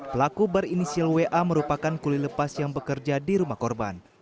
pelaku berinisial wa merupakan kuli lepas yang bekerja di rumah korban